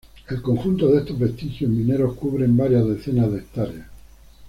El conjunto de estos vestigios mineros cubren varias decenas de hectáreas.